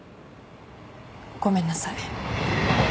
ごめんなさい。